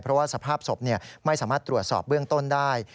เพราะว่าสภาพศพไม่สามารถตรวจสอบเบื้องต้นได้